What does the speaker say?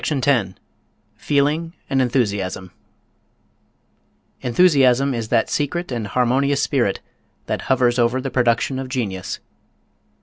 ] CHAPTER X FEELING AND ENTHUSIASM Enthusiasm is that secret and harmonious spirit that hovers over the production of genius.